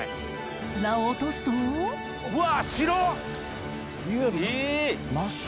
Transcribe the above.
砂を落とすと真っ白。